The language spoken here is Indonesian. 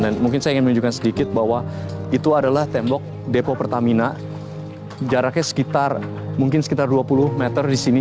dan mungkin saya ingin menunjukkan sedikit bahwa itu adalah tembok depo pertamina jaraknya sekitar mungkin sekitar dua puluh meter di sini